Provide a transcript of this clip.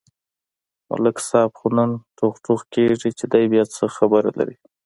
ملک صاحب خو نن ټوغ ټوغ کېږي، چې دی بیا څه خبره لري.